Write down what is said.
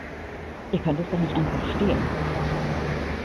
Ihr könnt es doch nicht einfach stehlen!